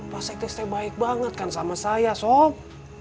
pak sekdes pak sekdes baik banget kan sama saya sob